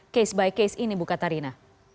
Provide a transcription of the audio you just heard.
case by case ini bu katarina